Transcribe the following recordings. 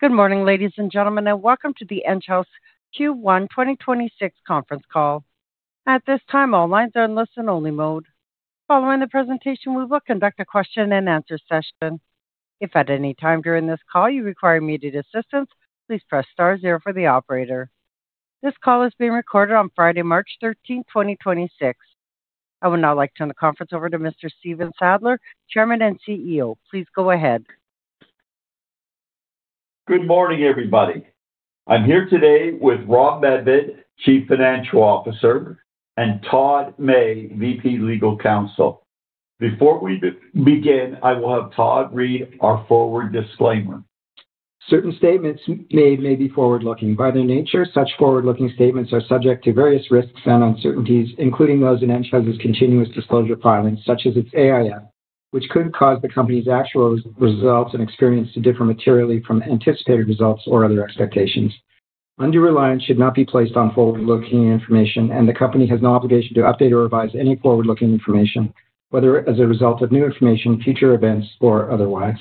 Good morning, ladies and gentlemen, and welcome to the Enghouse Q1 2026 conference call. At this time, all lines are in listen-only mode. Following the presentation, we will conduct a question-and-answer session. If at any time during this call you require immediate assistance, please press star zero for the operator. This call is being recorded on Friday, March 13th, 2026. I would now like to turn the conference over to Mr. Stephen Sadler, Chairman and CEO. Please go ahead. Good morning, everybody. I'm here today with Rob Medved, Chief Financial Officer, and Todd May, VP, General Counsel. Before we begin, I will have Todd read our forward disclaimer. Certain statements made may be forward-looking. By their nature, such forward-looking statements are subject to various risks and uncertainties, including those in Enghouse's continuous disclosure filings, such as its AIF, which could cause the company's actual results and experience to differ materially from anticipated results or other expectations. Undue reliance should not be placed on forward-looking information, and the company has no obligation to update or revise any forward-looking information, whether as a result of new information, future events, or otherwise.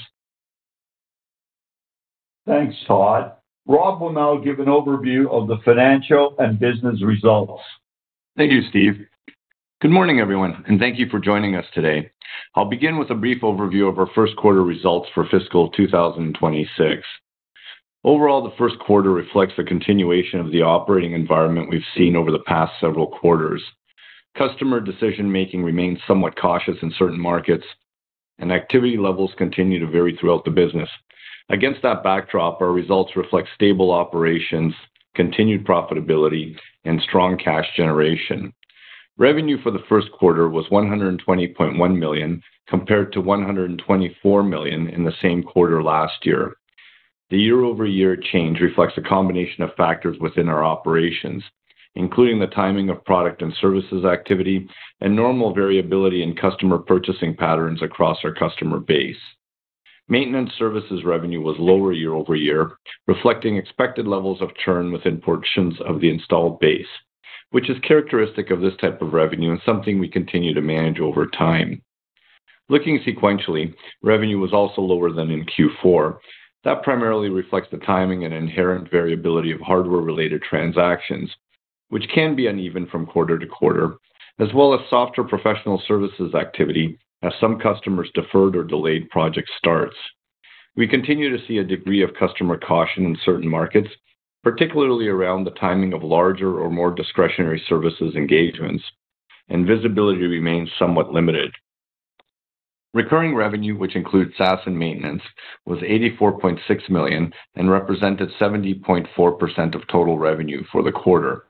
Thanks, Todd. Rob will now give an overview of the financial and business results. Thank you, Steve. Good morning, everyone, and thank you for joining us today. I'll begin with a brief overview of our first quarter results for fiscal 2026. Overall, the first quarter reflects a continuation of the operating environment we've seen over the past several quarters. Customer decision-making remains somewhat cautious in certain markets, and activity levels continue to vary throughout the business. Against that backdrop, our results reflect stable operations, continued profitability, and strong cash generation. Revenue for the first quarter was 120.1 million, compared to 124 million in the same quarter last year. The year-over-year change reflects a combination of factors within our operations, including the timing of product and services activity and normal variability in customer purchasing patterns across our customer base. Maintenance services revenue was lower year over year, reflecting expected levels of churn within portions of the installed base, which is characteristic of this type of revenue and something we continue to manage over time. Looking sequentially, revenue was also lower than in Q4. That primarily reflects the timing and inherent variability of hardware-related transactions, which can be uneven from quarter to quarter, as well as softer professional services activity as some customers deferred or delayed project starts. We continue to see a degree of customer caution in certain markets, particularly around the timing of larger or more discretionary services engagements, and visibility remains somewhat limited. Recurring revenue, which includes SaaS and maintenance, was 84.6 million and represented 70.4% of total revenue for the quarter.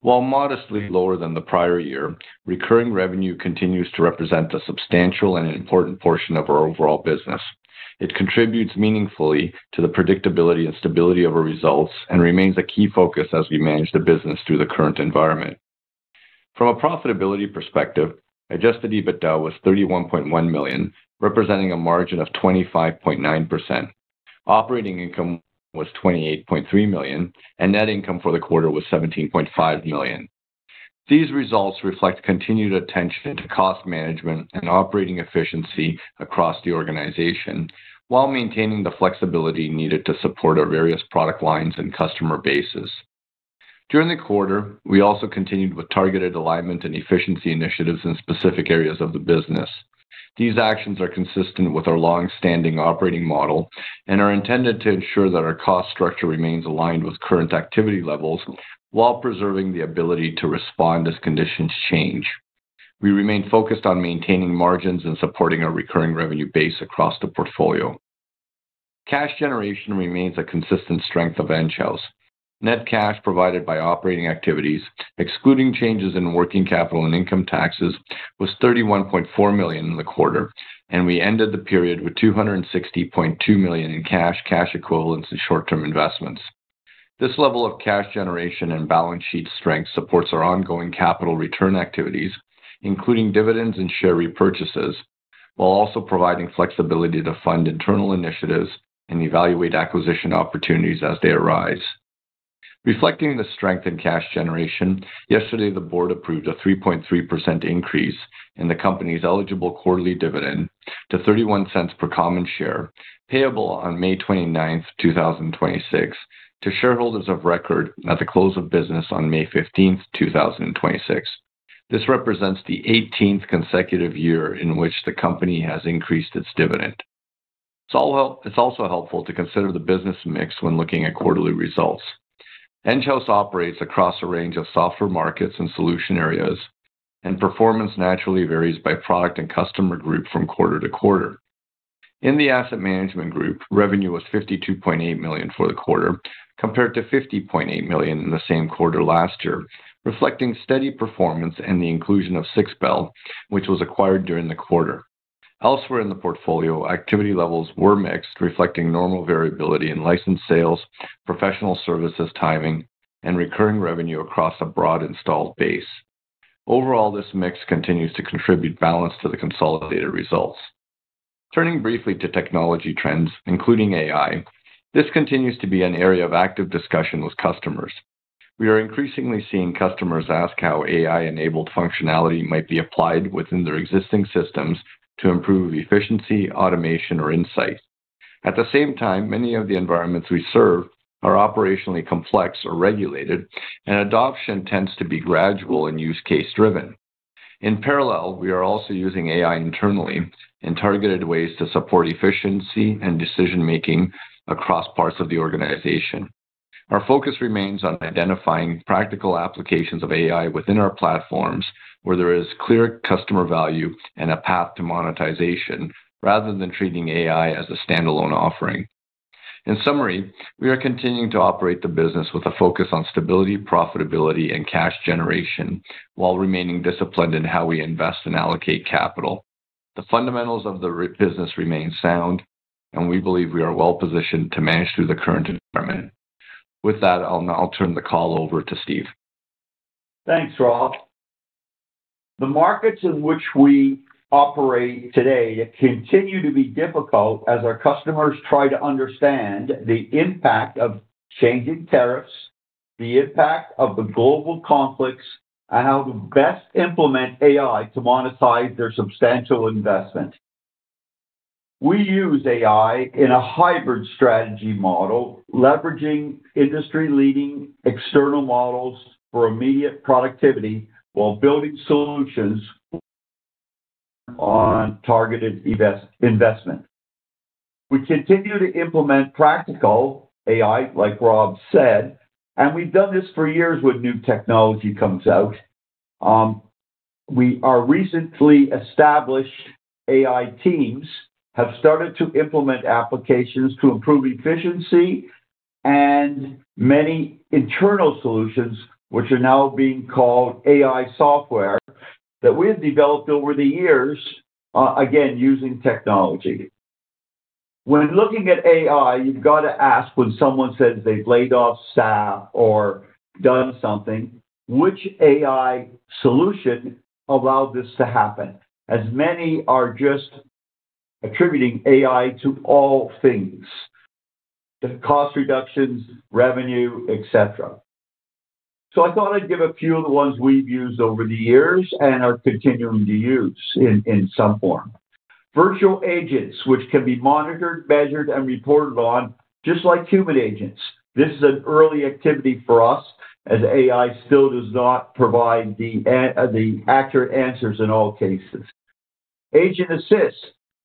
While modestly lower than the prior year, recurring revenue continues to represent a substantial and important portion of our overall business. It contributes meaningfully to the predictability and stability of our results and remains a key focus as we manage the business through the current environment. From a profitability perspective, Adjusted EBITDA was 31.1 million, representing a margin of 25.9%. Operating income was 28.3 million, and net income for the quarter was 17.5 million. These results reflect continued attention to cost management and operating efficiency across the organization while maintaining the flexibility needed to support our various product lines and customer bases. During the quarter, we also continued with targeted alignment and efficiency initiatives in specific areas of the business. These actions are consistent with our long-standing operating model and are intended to ensure that our cost structure remains aligned with current activity levels while preserving the ability to respond as conditions change. We remain focused on maintaining margins and supporting our recurring revenue base across the portfolio. Cash generation remains a consistent strength of Enghouse. Net cash provided by operating activities, excluding changes in working capital and income taxes, was 31.4 million in the quarter, and we ended the period with 260.2 million in cash equivalents, and short-term investments. This level of cash generation and balance sheet strength supports our ongoing capital return activities, including dividends and share repurchases, while also providing flexibility to fund internal initiatives and evaluate acquisition opportunities as they arise. Reflecting the strength in cash generation, yesterday, the board approved a 3.3% increase in the company's eligible quarterly dividend to 0.31 per common share, payable on May 29th, 2026 to shareholders of record at the close of business on May 15th, 2026. This represents the 18th consecutive year in which the company has increased its dividend. It's also helpful to consider the business mix when looking at quarterly results. Enghouse operates across a range of software markets and solution areas, and performance naturally varies by product and customer group from quarter to quarter. In the Asset Management Group, revenue was 52.8 million for the quarter, compared to 50.8 million in the same quarter last year, reflecting steady performance and the inclusion of Sixbell, which was acquired during the quarter. Elsewhere in the portfolio, activity levels were mixed, reflecting normal variability in license sales, professional services timing, and recurring revenue across a broad installed base. Overall, this mix continues to contribute balance to the consolidated results. Turning briefly to technology trends, including AI, this continues to be an area of active discussion with customers. We are increasingly seeing customers ask how AI-enabled functionality might be applied within their existing systems to improve efficiency, automation, or insight. At the same time, many of the environments we serve are operationally complex or regulated, and adoption tends to be gradual and use case driven. In parallel, we are also using AI internally in targeted ways to support efficiency and decision-making across parts of the organization. Our focus remains on identifying practical applications of AI within our platforms where there is clear customer value and a path to monetization rather than treating AI as a standalone offering. In summary, we are continuing to operate the business with a focus on stability, profitability and cash generation while remaining disciplined in how we invest and allocate capital. The fundamentals of the business remain sound, and we believe we are well-positioned to manage through the current environment. With that, I'll now turn the call over to Steve. Thanks, Rob. The markets in which we operate today continue to be difficult as our customers try to understand the impact of changing tariffs, the impact of the global conflicts, and how to best implement AI to monetize their substantial investment. We use AI in a hybrid strategy model, leveraging industry-leading external models for immediate productivity while building solutions on targeted investment. We continue to implement practical AI, like Rob said, and we've done this for years when new technology comes out. We have recently established AI teams have started to implement applications to improve efficiency and many internal solutions, which are now being called AI software that we have developed over the years, again, using technology. When looking at AI, you've got to ask when someone says they've laid off staff or done something, which AI solution allowed this to happen, as many are just attributing AI to all things, the cost reductions, revenue, et cetera. I thought I'd give a few of the ones we've used over the years and are continuing to use in some form. Virtual Agents, which can be monitored, measured, and reported on just like human agents. This is an early activity for us, as AI still does not provide the accurate answers in all cases. Agent Assist,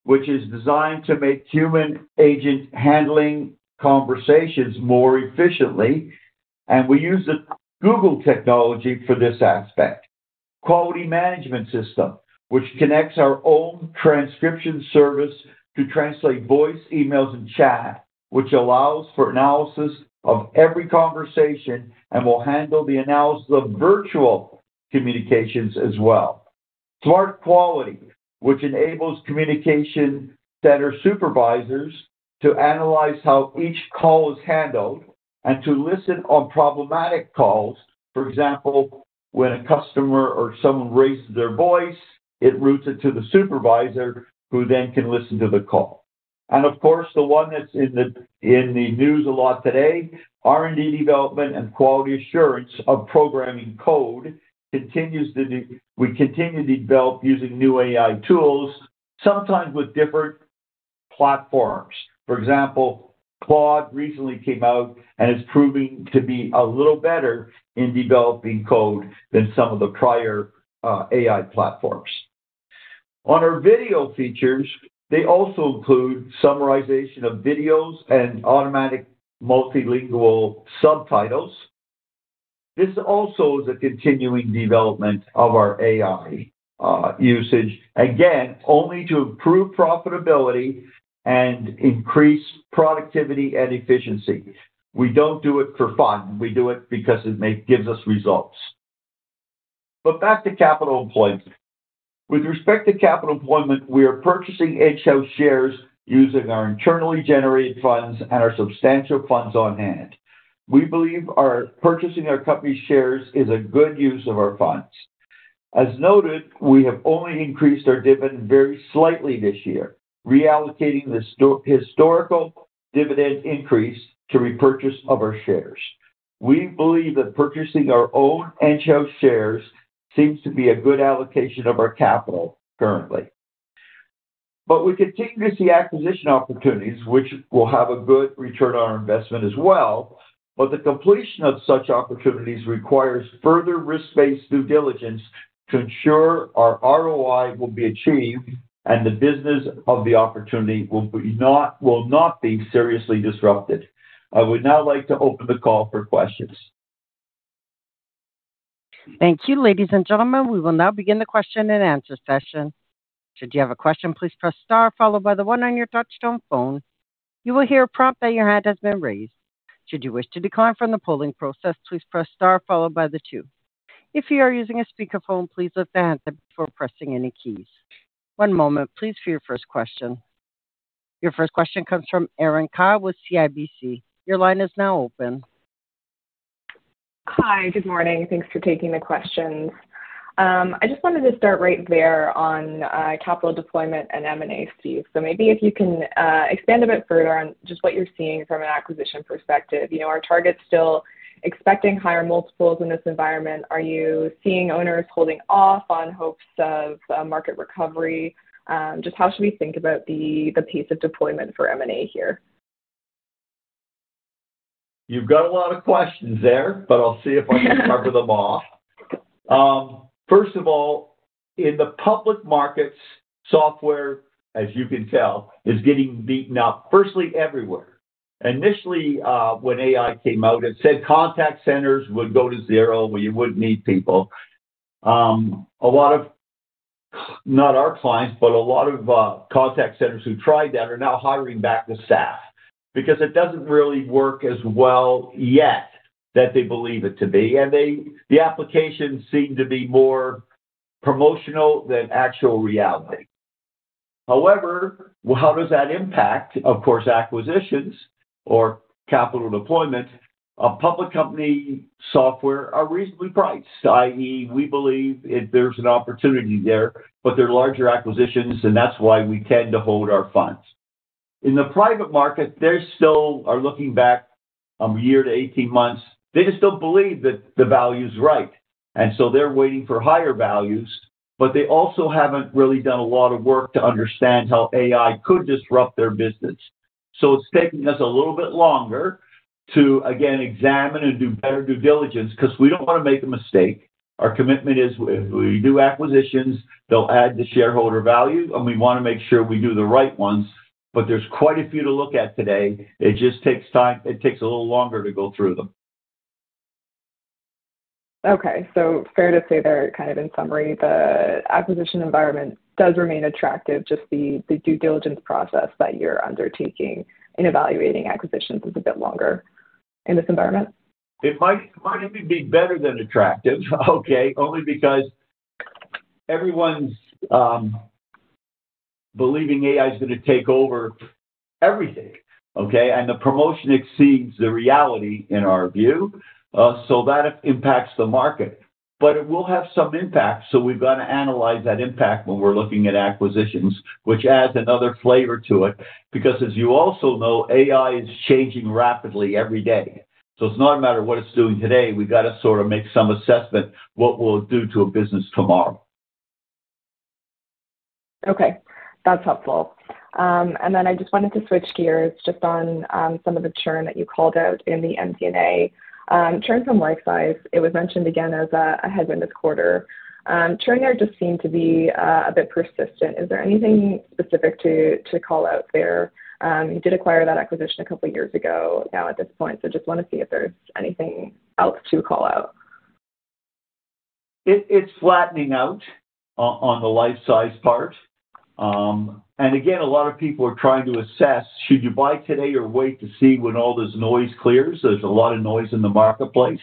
which is designed to make human agent handling conversations more efficiently, and we use the Google technology for this aspect. Quality Management System, which connects our own transcription service to translate voice, emails, and chat, which allows for analysis of every conversation and will handle the analysis of virtual communications as well. Smart Quality, which enables contact center supervisors to analyze how each call is handled and to listen on problematic calls. For example, when a customer or someone raises their voice, it routes it to the supervisor who then can listen to the call. Of course, the one that's in the news a lot today, R&D development and quality assurance of programming code continues to be. We continue to develop using new AI tools, sometimes with different platforms. For example, Claude recently came out, and it's proving to be a little better in developing code than some of the prior AI platforms. On our video features, they also include summarization of videos and automatic multilingual subtitles. This also is a continuing development of our AI usage. Again, only to improve profitability and increase productivity and efficiency. We don't do it for fun. We do it because it gives us results. Back to capital employment. With respect to capital employment, we are purchasing in-house shares using our internally generated funds and our substantial funds on hand. We believe our purchasing our company shares is a good use of our funds. As noted, we have only increased our dividend very slightly this year, reallocating this historical dividend increase to repurchase of our shares. We believe that purchasing our own in-house shares seems to be a good allocation of our capital currently. We continue to see acquisition opportunities which will have a good return on our investment as well, but the completion of such opportunities requires further risk-based due diligence to ensure our ROI will be achieved and the business of the opportunity will not be seriously disrupted. I would now like to open the call for questions. Thank you, ladies and gentlemen. We will now begin the question and answer session. Should you have a question, please press star followed by the one on your touchtone phone. You will hear a prompt that your hand has been raised. Should you wish to decline from the polling process, please press star followed by the two. If you are using a speakerphone, please lift the handset before pressing any keys. One moment, please, for your first question. Your first question comes from Erin Kyle with CIBC. Your line is now open. Hi. Good morning. Thanks for taking the questions. I just wanted to start right there on capital deployment and M&A, Steve. Maybe if you can expand a bit further on just what you're seeing from an acquisition perspective? You know, are targets still expecting higher multiples in this environment? Are you seeing owners holding off on hopes of market recovery? Just how should we think about the pace of deployment for M&A here? You've got a lot of questions there, but I'll see if I can cover them all. First of all, in the public markets, software, as you can tell, is getting beaten up, firstly, everywhere. Initially, when AI came out, it said contact centers would go to zero, where you wouldn't need people. A lot of, not our clients, but contact centers who tried that are now hiring back the staff because it doesn't really work as well yet that they believe it to be. The applications seem to be more promotional than actual reality. However, how does that impact? Of course, acquisitions or capital deployment of public company software are reasonably priced, i.e., we believe there's an opportunity there, but they're larger acquisitions, and that's why we tend to hold our funds. In the private market, they still are looking back a year to 18 months. They just don't believe that the value is right, and so they're waiting for higher values. But they also haven't really done a lot of work to understand how AI could disrupt their business. So it's taking us a little bit longer to, again, examine and do better due diligence because we don't want to make a mistake. Our commitment is if we do acquisitions, they'll add to shareholder value, and we want to make sure we do the right ones. But there's quite a few to look at today. It just takes time. It takes a little longer to go through them. Okay. Fair to say there, kind of in summary, the acquisition environment does remain attractive. Just the due diligence process that you're undertaking in evaluating acquisitions is a bit longer in this environment. It might even be better than attractive, okay? Only because everyone's believing AI is going to take over everything, okay? The promotion exceeds the reality in our view. That impacts the market. It will have some impact, so we've got to analyze that impact when we're looking at acquisitions, which adds another flavor to it. Because as you also know, AI is changing rapidly every day. It's not a matter of what it's doing today. We've got to sort of make some assessment what will it do to a business tomorrow. Okay, that's helpful. I just wanted to switch gears just on some of the churn that you called out in the MD&A. Churn from Lifesize. It was mentioned again as a headwind this quarter. Churn there just seemed to be a bit persistent. Is there anything specific to call out there? You did acquire that acquisition a couple of years ago now at this point, so just want to see if there's anything else to call out? It's flattening out on the Lifesize part. Again, a lot of people are trying to assess, should you buy today or wait to see when all this noise clears? There's a lot of noise in the marketplace.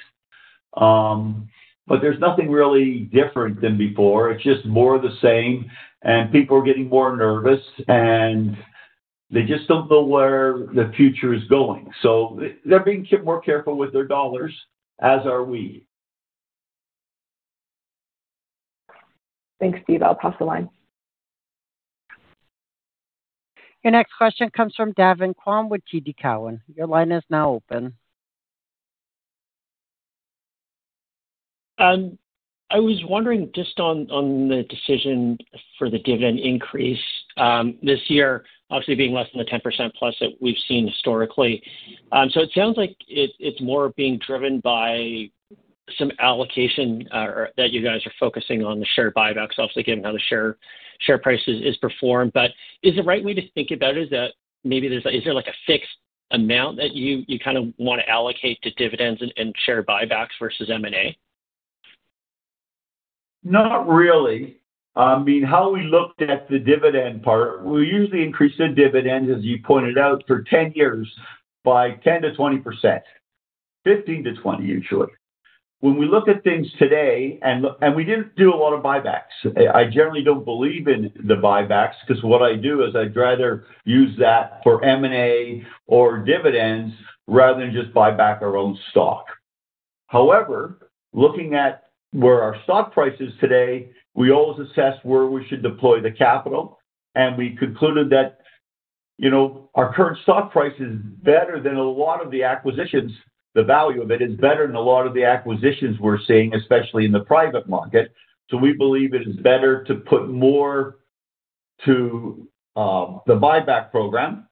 There's nothing really different than before. It's just more of the same, and people are getting more nervous, and they just don't know where the future is going. They're being more careful with their dollars, as are we. Thanks, Steve. I'll pass the line. Your next question comes from David Kwong with TD Cowen. Your line is now open. I was wondering just on the decision for the dividend increase this year, obviously being less than the 10% plus that we've seen historically? It sounds like it's more being driven by some allocation or that you guys are focusing on the share buybacks, obviously, given how the share price has performed? Is the right way to think about it that maybe there's a fixed amount that you kind of want to allocate to dividends and share buybacks versus M&A? Not really. I mean, how we looked at the dividend part, we usually increase the dividend, as you pointed out, for 10 years by 10%-20%. 15%-20%, usually. When we look at things today, and we didn't do a lot of buybacks. I generally don't believe in the buybacks because what I do is I'd rather use that for M&A or dividends rather than just buy back our own stock. However, looking at where our stock price is today, we always assess where we should deploy the capital, and we concluded that, you know, our current stock price is better than a lot of the acquisitions. The value of it is better than a lot of the acquisitions we're seeing, especially in the private market. We believe it is better to put more to the buyback program,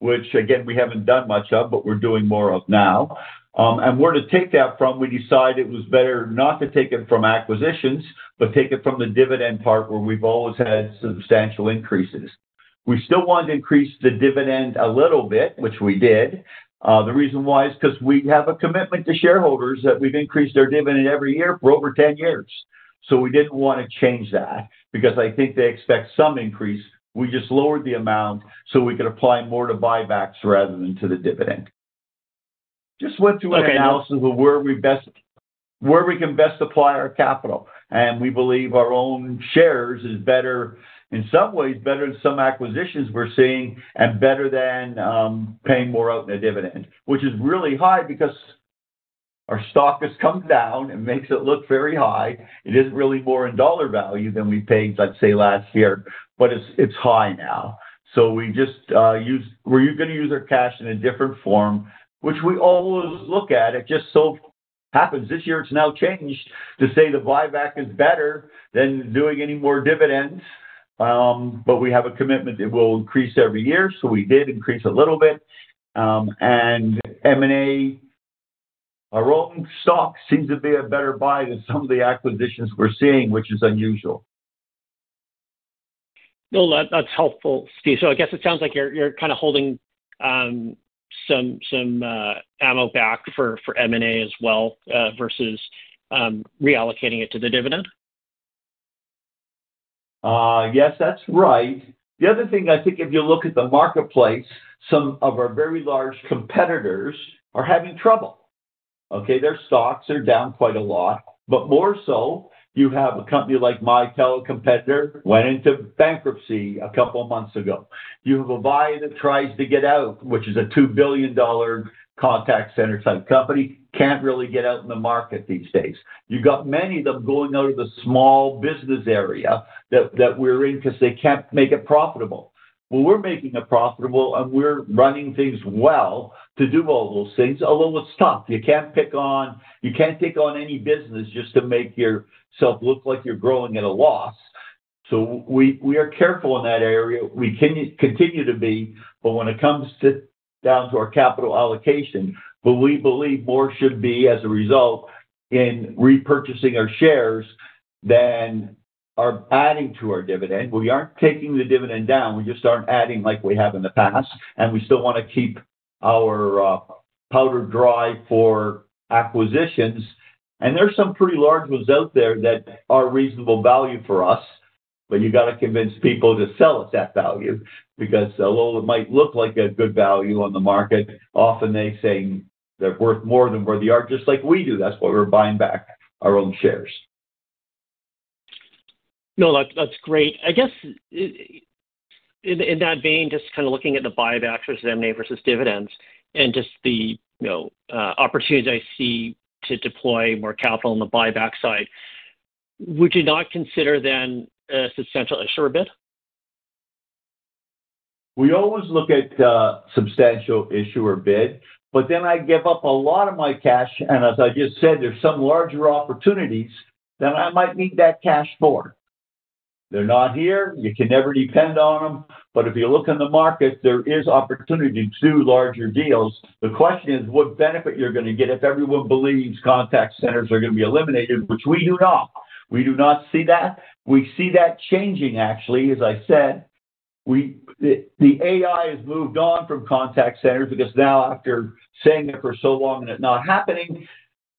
which again, we haven't done much of, but we're doing more of now. Where to take that from, we decided it was better not to take it from acquisitions, but take it from the dividend part, where we've always had substantial increases. We still want to increase the dividend a little bit, which we did. The reason why is because we have a commitment to shareholders that we've increased their dividend every year for over 10 years. We didn't want to change that because I think they expect some increase. We just lowered the amount so we could apply more to buybacks rather than to the dividend. Okay. An analysis of where we can best apply our capital, and we believe our own shares is better, in some ways, better than some acquisitions we're seeing and better than paying more out in a dividend, which is really high because our stock has come down and makes it look very high. It is really more in dollar value than we paid, I'd say, last year, but it's high now. We just, we're gonna use our cash in a different form, which we always look at. It just so happens this year it's now changed to say the buyback is better than doing any more dividends. We have a commitment that we'll increase every year, so we did increase a little bit. M&A, our own stock seems to be a better buy than some of the acquisitions we're seeing, which is unusual. No, that's helpful, Steve. I guess it sounds like you're kinda holding some ammo back for M&A as well versus reallocating it to the dividend? Yes, that's right. The other thing, I think if you look at the marketplace, some of our very large competitors are having trouble, okay? Their stocks are down quite a lot, but more so you have a company like Mitel, competitor went into bankruptcy a couple of months ago. You have Avaya that tries to get out, which is a $2 billion contact center type company, can't really get out in the market these days. You got many of them going out of the small business area that we're in 'cause they can't make it profitable. Well, we're making it profitable, and we're running things well to do all those things, although it's tough. You can't take on any business just to make yourself look like you're growing at a loss. We are careful in that area. We continue to be. When it comes to down to our capital allocation, well, we believe more should be as a result in repurchasing our shares than are adding to our dividend. We aren't taking the dividend down, we just aren't adding like we have in the past, and we still wanna keep our powder dry for acquisitions. There are some pretty large ones out there that are reasonable value for us, but you gotta convince people to sell us that value because although it might look like a good value on the market, often they say they're worth more than what they are, just like we do. That's why we're buying back our own shares. No, that's great. I guess in that vein, just kinda looking at the buybacks versus M&A versus dividends and just the, you know, opportunities I see to deploy more capital on the buyback side, would you not consider then a substantial issuer bid? We always look at substantial issuer bid, but then I give up a lot of my cash, and as I just said, there's some larger opportunities that I might need that cash for. They're not here. You can never depend on them. If you look in the market, there is opportunity to do larger deals. The question is what benefit you're gonna get if everyone believes contact centers are gonna be eliminated, which we do not. We do not see that. We see that changing actually, as I said. The AI has moved on from contact centers because now after saying it for so long and it not happening,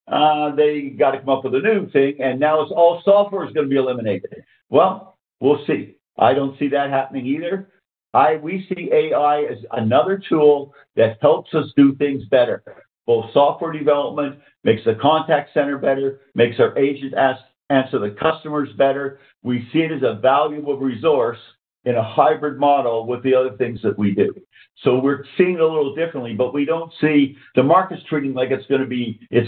they gotta come up with a new thing, and now it's all software is gonna be eliminated. Well, we'll see. I don't see that happening either. We see AI as another tool that helps us do things better. Both software development makes the contact center better, makes our agent assist and answer the customers better. We see it as a valuable resource in a hybrid model with the other things that we do. We're seeing it a little differently, but we don't see the market's treating it like it's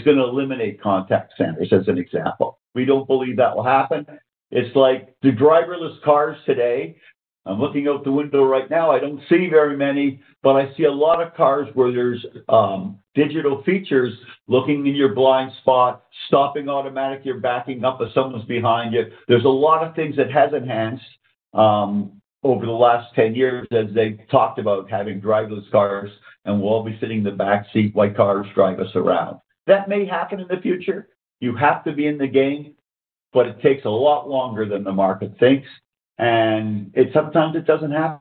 gonna eliminate contact centers, as an example. We don't believe that will happen. It's like the driverless cars today. I'm looking out the window right now, I don't see very many, but I see a lot of cars where there's digital features looking in your blind spot, stopping automatic, you're backing up if someone's behind you. There's a lot of things it has enhanced over the last 10 years as they've talked about having driverless cars and we'll all be sitting in the back seat while cars drive us around. That may happen in the future. You have to be in the game, but it takes a lot longer than the market thinks, and it sometimes it doesn't happen.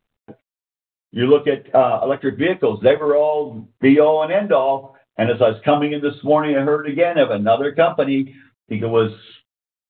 You look at electric vehicles, they were be-all and end-all, and as I was coming in this morning, I heard again of another company, I think it was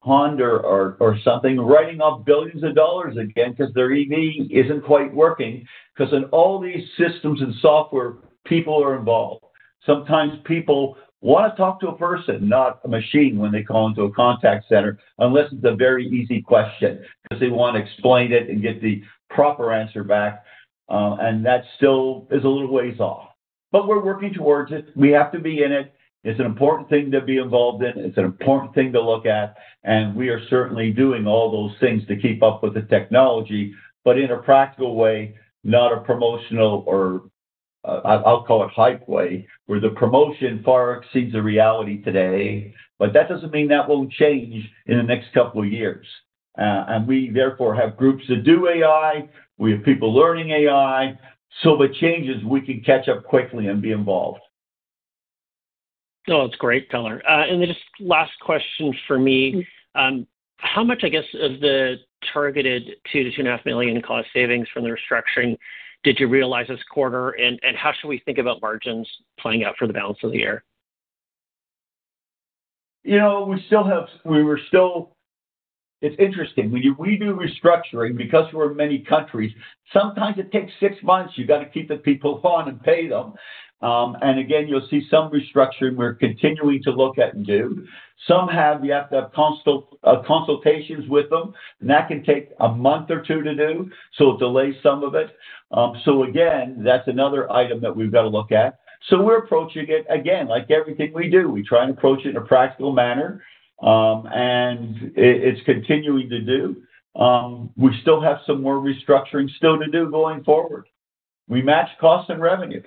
Honda or something, writing off billions of dollars again 'cause their EV isn't quite working. 'Cause in all these systems and software, people are involved. Sometimes people wanna talk to a person, not a machine, when they call into a contact center, unless it's a very easy question, 'cause they wanna explain it and get the proper answer back. That still is a little ways off. We're working towards it. We have to be in it. It's an important thing to be involved in. It's an important thing to look at, and we are certainly doing all those things to keep up with the technology, but in a practical way, not a promotional or, I'll call it hype way, where the promotion far exceeds the reality today. That doesn't mean that won't change in the next couple of years. We therefore have groups that do AI. We have people learning AI. If it changes, we can catch up quickly and be involved. No, that's great, Sadler. Just last question for me. How much, I guess, of the targeted 2 million-2.5 million cost savings from the restructuring did you realize this quarter, and how should we think about margins playing out for the balance of the year? It's interesting. When you redo restructuring, because we're in many countries, sometimes it takes six months. You gotta keep the people on and pay them. Again, you'll see some restructuring we're continuing to look at and do. You have to have consultations with them, and that can take a month or two to do, so it delays some of it. Again, that's another item that we've got to look at. We're approaching it, again, like everything we do. We try and approach it in a practical manner, and it's continuing to do. We still have some more restructuring still to do going forward. We match costs and revenue.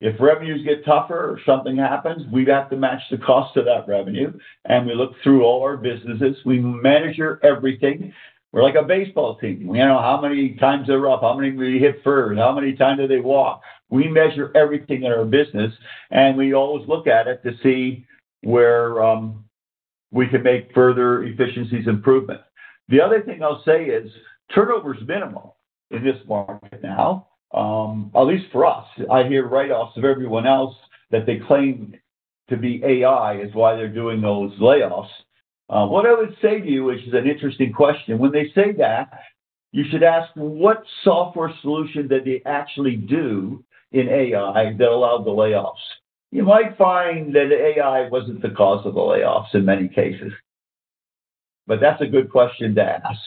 If revenues get tougher or something happens, we've got to match the cost to that revenue. We look through all our businesses, we measure everything. We're like a baseball team. We know how many times they're up, how many we hit for, and how many times do they walk. We measure everything in our business, and we always look at it to see where we can make further efficiencies improvement. The other thing I'll say is turnover is minimal in this market now, at least for us. I hear layoffs of everyone else that they claim to be AI is why they're doing those layoffs. What I would say to you, which is an interesting question, when they say that, you should ask what software solution did they actually do in AI that allowed the layoffs. You might find that AI wasn't the cause of the layoffs in many cases. That's a good question to ask.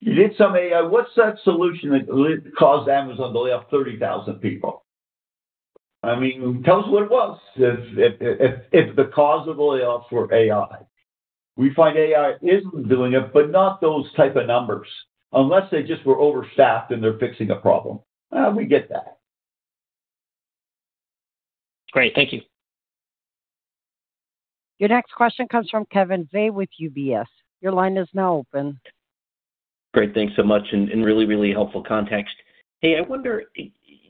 You did some AI. What's that solution that caused Amazon to lay off 30,000 people? I mean, tell us what it was if the cause of the layoffs were AI? We find AI isn't doing it, but not those type of numbers. Unless they just were overstaffed and they're fixing a problem. We get that. Great. Thank you. Your next question comes from Kevin McVeigh with UBS. Your line is now open. Great. Thanks so much and really helpful context. Hey, I wonder,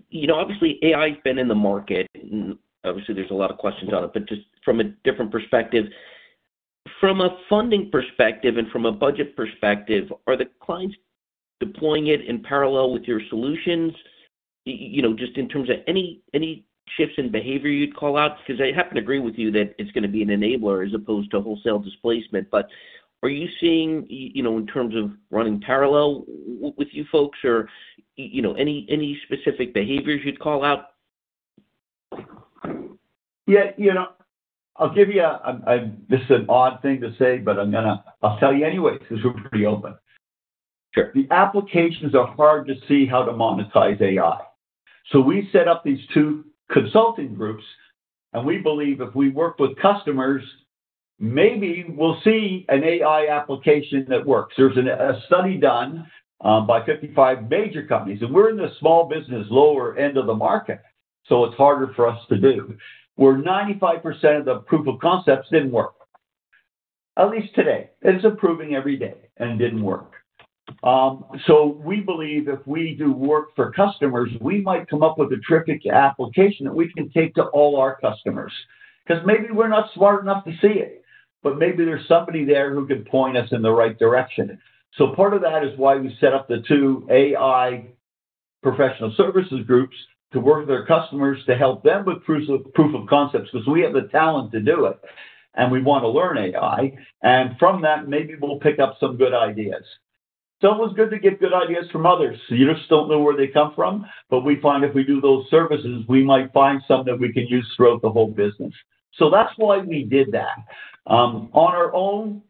you know, obviously, AI has been in the market, and obviously there's a lot of questions on it, but just from a different perspective. From a funding perspective and from a budget perspective, are the clients deploying it in parallel with your solutions? You know, just in terms of any shifts in behavior you'd call out, because I happen to agree with you that it's going to be an enabler as opposed to wholesale displacement. Are you seeing, you know, in terms of running parallel with you folks or, you know, any specific behaviors you'd call out? Yeah. You know, this is an odd thing to say, but I'll tell you anyway because we're pretty open. Sure. The applications are hard to see how to monetize AI. We set up these two consulting groups, and we believe if we work with customers, maybe we'll see an AI application that works. There's a study done by 55 major companies, and we're in the small business lower end of the market, so it's harder for us to do, where 95% of the proof of concepts didn't work. At least today. It's improving every day and didn't work. We believe if we do work for customers, we might come up with a terrific application that we can take to all our customers. 'Cause maybe we're not smart enough to see it, but maybe there's somebody there who can point us in the right direction. Part of that is why we set up the two AI professional services groups to work with our customers to help them with proof of concepts, because we have the talent to do it, and we want to learn AI. From that, maybe we'll pick up some good ideas. It's always good to get good ideas from others. You just don't know where they come from. We find if we do those services, we might find some that we can use throughout the whole business. That's why we did that. On our own,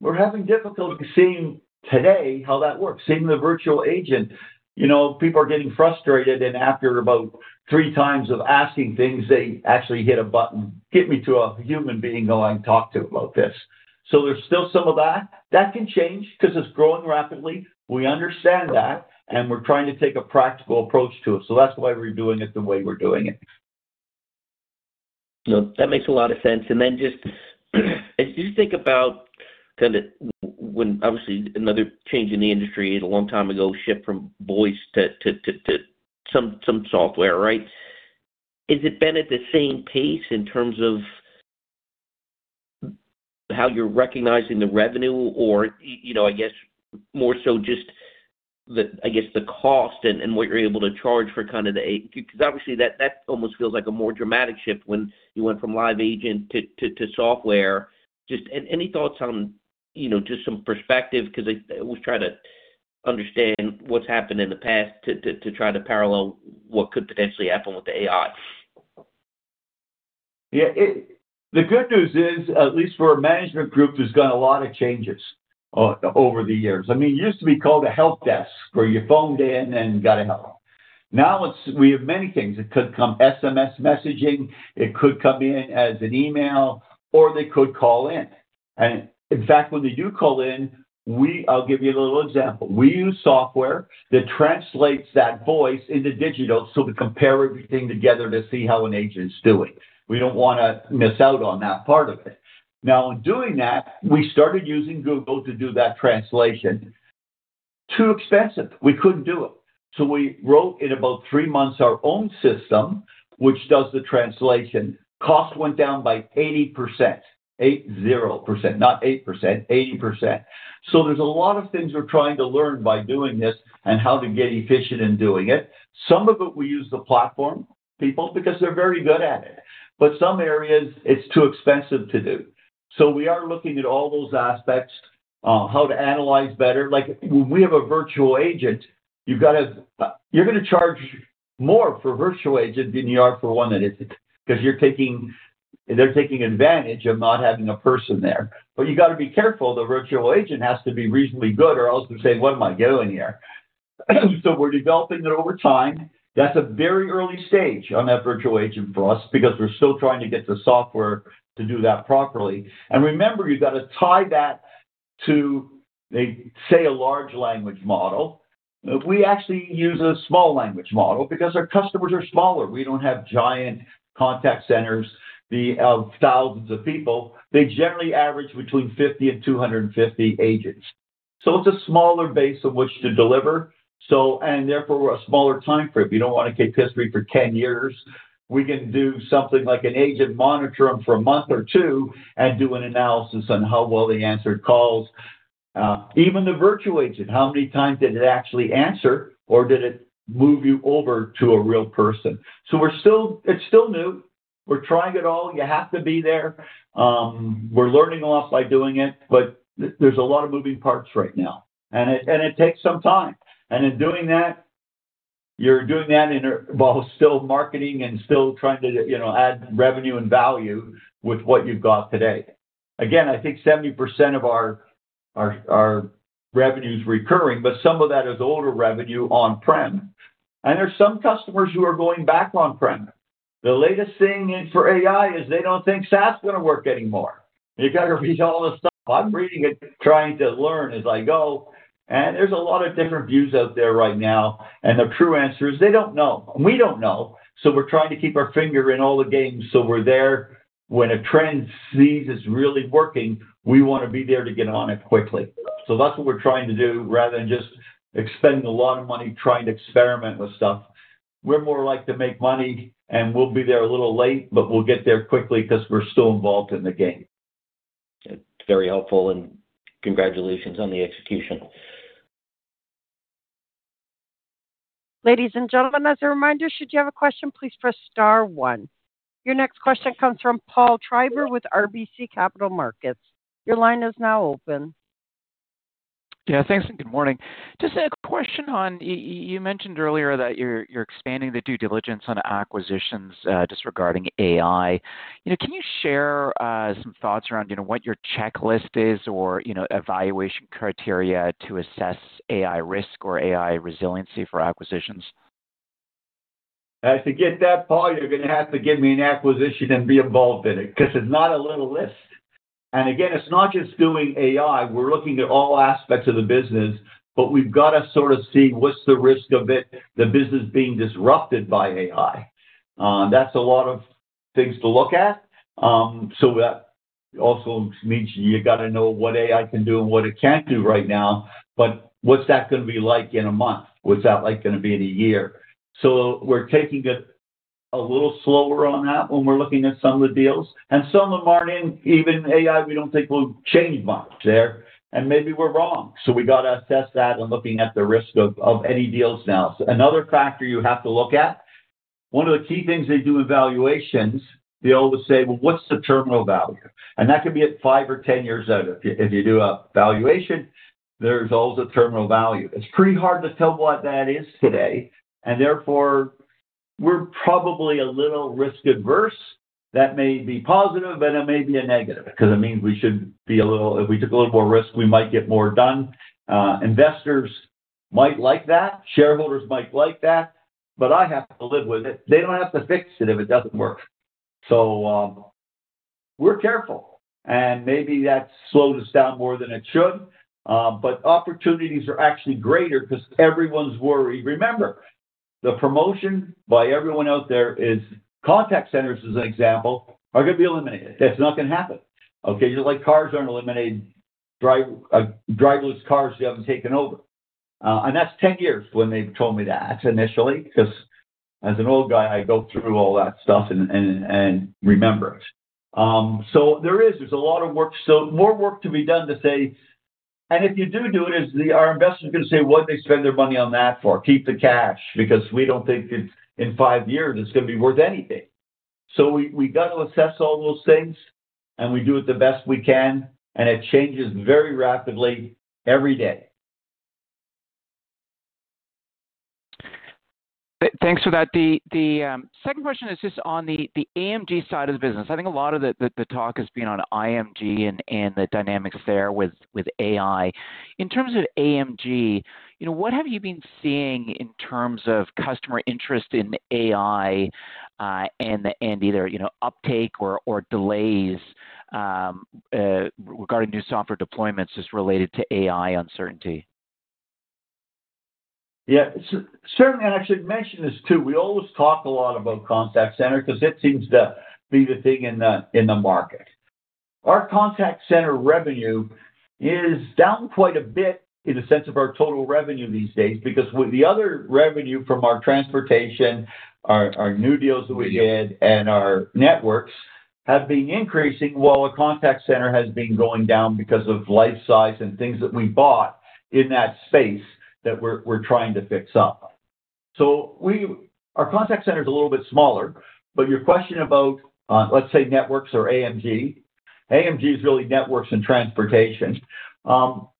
we're having difficulty seeing today how that works. Even the virtual agent, you know, people are getting frustrated, and after about three times of asking things, they actually hit a button, "Get me to a human being who I can talk to about this." There's still some of that. That can change because it's growing rapidly. We understand that, and we're trying to take a practical approach to it. That's why we're doing it the way we're doing it. No, that makes a lot of sense. Just as you think about kind of when obviously another change in the industry a long time ago, shift from voice to some software, right? Has it been at the same pace in terms of how you're recognizing the revenue or, you know, I guess more so just the, I guess, the cost and what you're able to charge for kind of the AI? Because obviously that almost feels like a more dramatic shift when you went from live agent to software. Just any thoughts on, you know, just some perspective because I always try to understand what's happened in the past to try to parallel what could potentially happen with the AI? Yeah. The good news is, at least for a management group, there's been a lot of changes over the years. I mean, it used to be called a help desk where you phoned in and got help. Now it's we have many things. It could come SMS messaging, it could come in as an email, or they could call in. In fact, when they do call in, I'll give you a little example. We use software that translates that voice into digital, so to compare everything together to see how an agent's doing. We don't want to miss out on that part of it. Now, in doing that, we started using Google to do that translation. Too expensive. We couldn't do it. We wrote in about three months our own system, which does the translation. Cost went down by 80%. 80%, not 8%, 80%. There's a lot of things we're trying to learn by doing this and how to get efficient in doing it. Some of it we use the platform people, because they're very good at it. Some areas it's too expensive to do. We are looking at all those aspects, how to analyze better. Like when we have a virtual agent, you're going to charge more for a virtual agent than you are for one that isn't, 'cause they're taking advantage of not having a person there. You got to be careful. The virtual agent has to be reasonably good or else they say, "What am I doing here?" We're developing it over time. That's a very early stage on that virtual agent for us because we're still trying to get the software to do that properly. Remember, you got to tie that to, they say, a large language model. We actually use a small language model because our customers are smaller. We don't have giant contact centers of thousands of people. They generally average between 50 and 250 agents. It's a smaller base of which to deliver, and therefore a smaller time frame. You don't want to keep history for 10 years. We can do something like an agent, monitor them for a month or two, and do an analysis on how well they answered calls. Even the virtual agent, how many times did it actually answer, or did it move you over to a real person? We're still. It's still new. We're trying it all. You have to be there. We're learning a lot by doing it, but there's a lot of moving parts right now, and it takes some time. In doing that, you're doing that while still marketing and still trying to, you know, add revenue and value with what you've got today. Again, I think 70% of our revenue is recurring, but some of that is older revenue on-prem, and there's some customers who are going back on-prem. The latest thing for AI is they don't think SaaS is going to work anymore. You got to read all this stuff. I'm reading it, trying to learn as I go, and there's a lot of different views out there right now, and the true answer is they don't know. We don't know. We're trying to keep our finger in all the games, so we're there. When a trend we see it's really working, we want to be there to get on it quickly. That's what we're trying to do rather than just expend a lot of money trying to experiment with stuff. We're more likely to make money, and we'll be there a little late, but we'll get there quickly because we're still involved in the game. It's very helpful, and congratulations on the execution. Ladies and gentlemen, as a reminder, should you have a question, please press star one. Your next question comes from Paul Treiber with RBC Capital Markets. Your line is now open. Yeah, thanks, good morning. Just a question on, you mentioned earlier that you're expanding the due diligence on acquisitions just regarding AI. You know, can you share some thoughts around, you know, what your checklist is or, you know, evaluation criteria to assess AI risk or AI resiliency for acquisitions? To get that, Paul, you're going to have to give me an acquisition and be involved in it, because it's not a little list. Again, it's not just doing AI. We're looking at all aspects of the business, but we've got to sort of see what's the risk of it, the business being disrupted by AI. That's a lot of things to look at. That also means you got to know what AI can do and what it can't do right now. What's that going to be like in a month? What's that like going to be in a year? We're taking it a little slower on that when we're looking at some of the deals. Some of them aren't even in AI, we don't think will change much there, and maybe we're wrong. We got to assess that when looking at the risk of any deals now. Another factor you have to look at, one of the key things they do in valuations, they always say, "Well, what's the terminal value?" That could be at five or 10 years out. If you do a valuation, there's always a terminal value. It's pretty hard to tell what that is today, and therefore we're probably a little risk-averse. That may be positive, but it may be a negative, because it means, if we took a little more risk, we might get more done. Investors might like that, shareholders might like that, but I have to live with it. They don't have to fix it if it doesn't work. We're careful, and maybe that slows us down more than it should. Opportunities are actually greater because everyone's worried. Remember, the promotion by everyone out there is contact centers, as an example, are going to be eliminated. That's not going to happen. Okay. Just like cars aren't eliminated. Driverless cars haven't taken over. That's 10 years when they told me that initially, 'cause as an old guy, I go through all that stuff and remember it. There is, there's a lot of work. More work to be done to say. If you do do it, are investors going to say, "What'd they spend their money on that for? Keep the cash, because we don't think it's, in five years, it's going to be worth anything. We got to assess all those things, and we do it the best we can, and it changes very rapidly every day. Thanks for that. The second question is just on the AMG side of the business. I think a lot of the talk has been on IMG and the dynamics there with AI. In terms of AMG, you know, what have you been seeing in terms of customer interest in AI, and either, you know, uptake or delays regarding new software deployments just related to AI uncertainty? Yeah. Certainly, and I should mention this too. We always talk a lot about contact center because it seems to be the thing in the, in the market. Our contact center revenue is down quite a bit in the sense of our total revenue these days, because with the other revenue from our transportation, our new deals that we did, and our networks have been increasing while our contact center has been going down because of Lifesize and things that we bought in that space that we're trying to fix up. Our contact center is a little bit smaller. Your question about, let's say networks or AMG. AMG is really networks and transportation.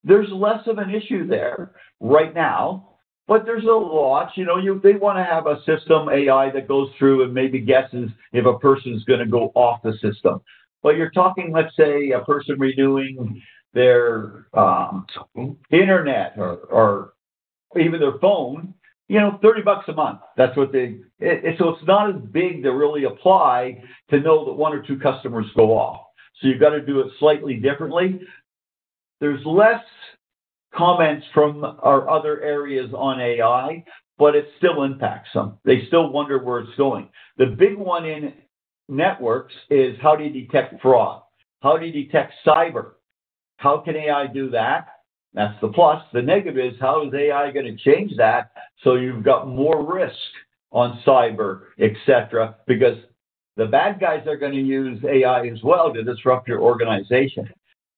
There's less of an issue there right now, but there's a lot. You know, They want to have a system AI that goes through and maybe guesses if a person's gonna go off the system. You're talking, let's say, a person redoing their internet or even their phone, you know, 30 bucks a month. That's what they. It's not as big to really apply to know that one or two customers go off. You've got to do it slightly differently. There's less comments from our other areas on AI, but it still impacts them. They still wonder where it's going. The big one in networks is how do you detect fraud? How do you detect cyber? How can AI do that? That's the plus. The negative is how is AI going to change that, so you've got more risk on cyber, et cetera, because the bad guys are gonna use AI as well to disrupt your organization.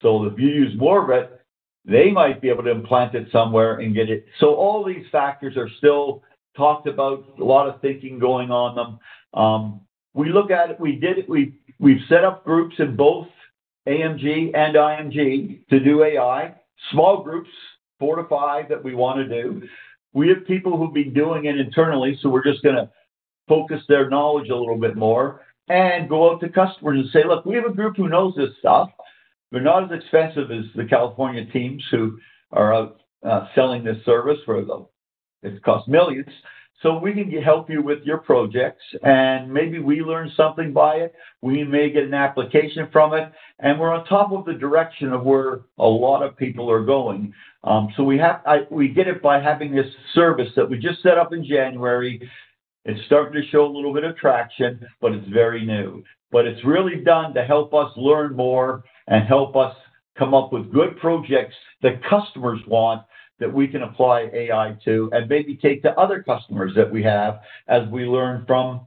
If you use more of it, they might be able to implant it somewhere and get it. All these factors are still talked about, a lot of thinking going on them. We look at it. We did it. We've set up groups in both AMG and IMG to do AI. Small groups, four-five, that we wanna do. We have people who've been doing it internally, so we're just gonna focus their knowledge a little bit more and go out to customers and say, "Look, we have a group who knows this stuff. We're not as expensive as the California teams who are out selling this service. It costs millions. We can help you with your projects and maybe we learn something by it. We may get an application from it, and we're on top of the direction of where a lot of people are going. We get it by having this service that we just set up in January. It's starting to show a little bit of traction, but it's very new. It's really done to help us learn more and help us come up with good projects that customers want that we can apply AI to and maybe take to other customers that we have as we learn from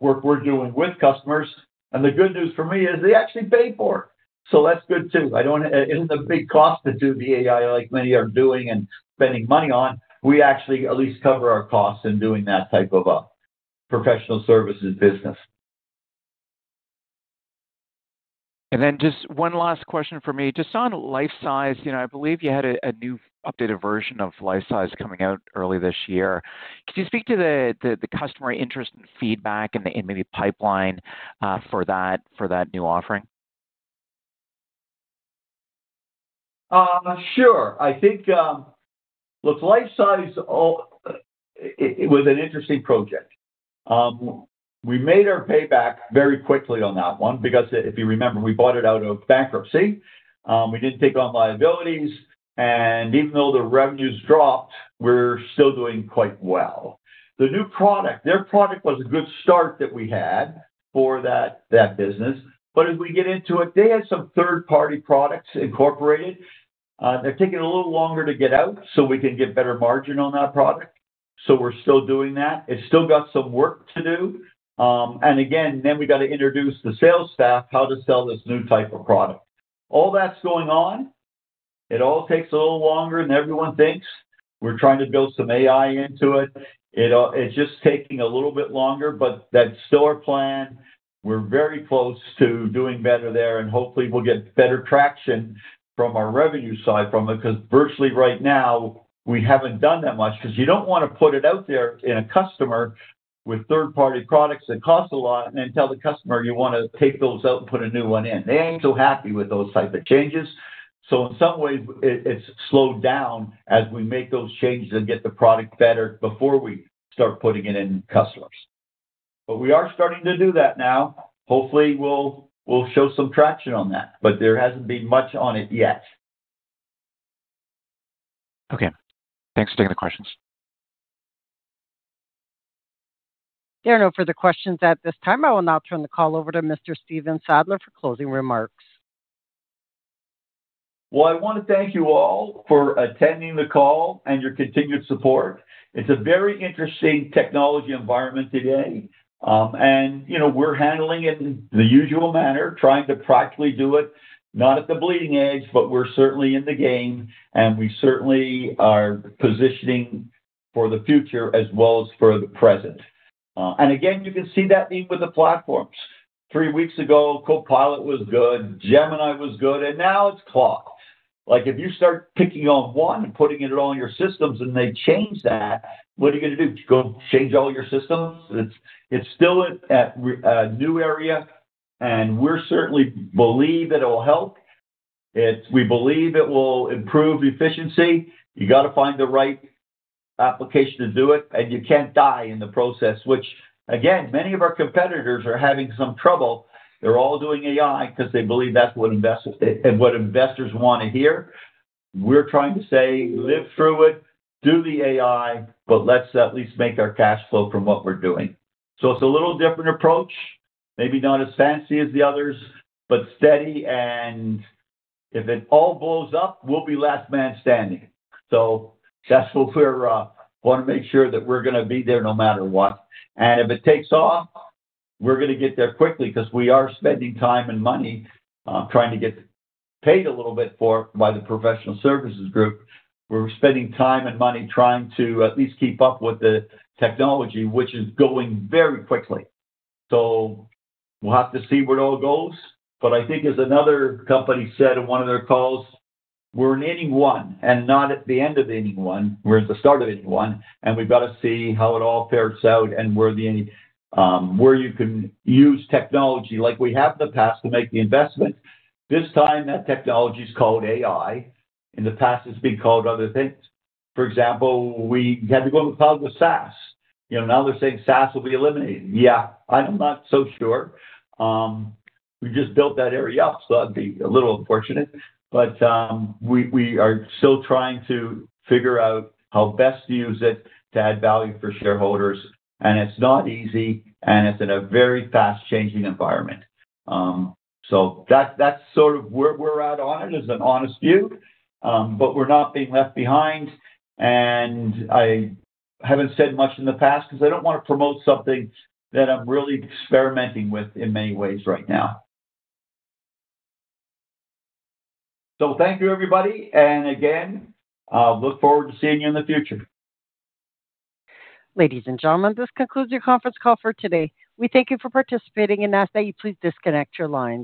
work we're doing with customers. The good news for me is they actually pay for it. That's good too. It isn't a big cost to do the AI like many are doing and spending money on. We actually at least cover our costs in doing that type of a professional services business. Just one last question from me. Just on Lifesize, you know, I believe you had a new updated version of Lifesize coming out early this year. Could you speak to the customer interest and feedback and maybe pipeline for that new offering? Sure. I think. Look, Lifesize, it was an interesting project. We made our payback very quickly on that one because if you remember, we bought it out of bankruptcy. We didn't take on liabilities, and even though the revenues dropped, we're still doing quite well. The new product, their product was a good start that we had for that business. As we get into it, they had some third-party products incorporated. They're taking a little longer to get out so we can get better margin on that product, so we're still doing that. It's still got some work to do. Again, we got to introduce the sales staff how to sell this new type of product. All that's going on, it all takes a little longer than everyone thinks. We're trying to build some AI into it. It's just taking a little bit longer, but that's still our plan. We're very close to doing better there, and hopefully, we'll get better traction from our revenue side from it. 'Cause virtually right now, we haven't done that much. 'Cause you don't want to put it out there in a customer with third-party products that cost a lot and then tell the customer you wanna take those out and put a new one in. They ain't too happy with those type of changes. In some ways, it's slowed down as we make those changes and get the product better before we start putting it in customers. We are starting to do that now. Hopefully, we'll show some traction on that, but there hasn't been much on it yet. Okay. Thanks for taking the questions. There are no further questions at this time. I will now turn the call over to Mr. Stephen Sadler for closing remarks. Well, I wanna thank you all for attending the call and your continued support. It's a very interesting technology environment today. You know, we're handling it in the usual manner, trying to practically do it, not at the bleeding edge, but we're certainly in the game, and we certainly are positioning for the future as well as for the present. You can see that theme with the platforms. Three weeks ago, Copilot was good, Gemini was good, and now it's Claude. Like, if you start picking on one and putting it on all your systems and they change that, what are you gonna do? Go change all your systems? It's still a new area, and we certainly believe that it will help. We believe it will improve efficiency. You gotta find the right application to do it, and you can't die in the process. Which, again, many of our competitors are having some trouble. They're all doing AI because they believe that's what investors wanna hear. We're trying to say, "Live through it, do the AI, but let's at least make our cash flow from what we're doing." It's a little different approach. Maybe not as fancy as the others, but steady and if it all blows up, we'll be last man standing. That's what we wanna make sure that we're gonna be there no matter what. If it takes off, we're gonna get there quickly because we are spending time and money trying to get paid a little bit for it by the professional services group. We're spending time and money trying to at least keep up with the technology, which is going very quickly. We'll have to see where it all goes. I think as another company said in one of their calls, we're in inning one, and not at the end of inning one. We're at the start of inning one, and we've got to see how it all fares out and where you can use technology like we have in the past to make the investment. This time, that technology is called AI. In the past, it's been called other things. For example, we had to go with cloud with SaaS. You know, now they're saying SaaS will be eliminated. Yeah, I'm not so sure. We just built that area up, so that'd be a little unfortunate. We are still trying to figure out how best to use it to add value for shareholders. It's not easy, and it's in a very fast-changing environment. That's sort of where we're at on it. It's an honest view, but we're not being left behind. I haven't said much in the past because I don't want to promote something that I'm really experimenting with in many ways right now. Thank you, everybody. Again, I'll look forward to seeing you in the future. Ladies and gentlemen, this concludes your conference call for today. We thank you for participating and ask that you please disconnect your lines.